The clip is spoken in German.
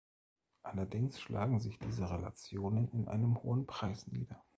Allerdings schlagen sich diese Relationen in einem hohen Preis nieder.